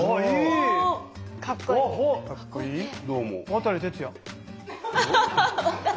渡哲也！